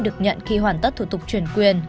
được nhận khi hoàn tất thủ tục chuyển quyền